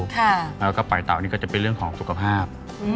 แล้วก็ปล่อยเต่านี่ก็จะเป็นเรื่องของสุขภาพ